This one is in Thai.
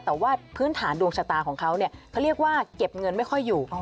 แต่ว่าพื้นฐานดวงชะตาของเขาเนี่ยเขาเรียกว่าเก็บเงินไม่ค่อยอยู่